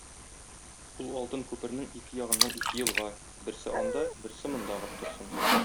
Ул алтын күпернең ике ягыннан ике елга - берсе анда, берсе монда агып торсын.